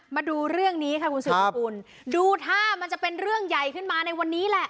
มาดูเรื่องนี้ค่ะคุณสืบสกุลดูท่ามันจะเป็นเรื่องใหญ่ขึ้นมาในวันนี้แหละ